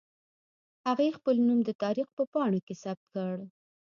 هغې خپل نوم د تاریخ په پاڼو کې ثبت کړ